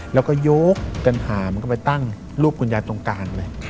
แล้วก็ยกกันหามันก็ไปตั้งรูปคุณยายตรงกลางเลย